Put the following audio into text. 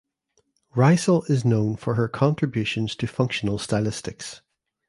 Riesel is known for her contributions to functional stylistics.